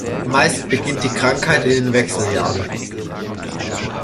Meist beginnt die Krankheit in den Wechseljahren.